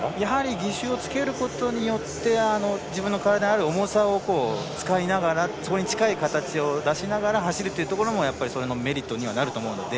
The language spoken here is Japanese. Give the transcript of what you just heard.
義手をつけることによって自分の体にある重さを使いながらそこに近い形を出しながら走るというところもメリットにはなると思うので。